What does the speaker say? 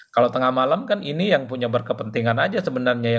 kalau tengah malam kan ini yang punya berkepentingan aja sebenarnya ya